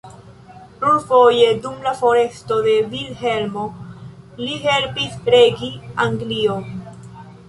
Plurfoje dum la foresto de Vilhelmo li helpis regi Anglion.